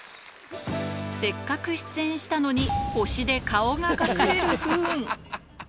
せっかく出演したのに、星で顔が隠れる不運。